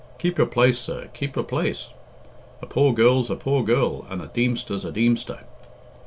Keep your place, sir; keep your place. A poor girl's a poor girl, and a Deemster's a Deemster."